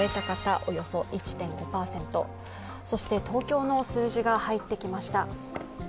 東京の数字が入ってきました。